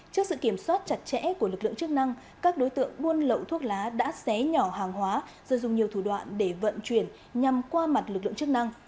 trước sự kiểm soát chặt chẽ của lực lượng chức năng các đối tượng buôn lậu thuốc lá đã xé nhỏ hàng hóa rồi dùng nhiều thủ đoạn để vận chuyển nhằm qua mặt lực lượng chức năng